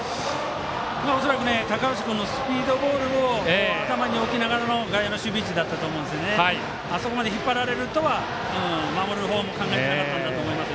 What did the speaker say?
恐らく高橋君のスピードボールを頭に置きながらの外野の守備位置だと思いますがあそこまで引っ張られるとは守る方も考えてなかったんだと思います。